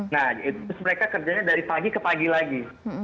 nah itu mereka kerjanya dari pagi ke pagi lagi